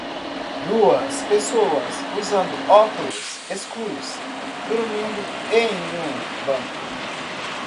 Duas pessoas usando óculos escuros, dormindo em um banco.